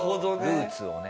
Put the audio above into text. ルーツをね。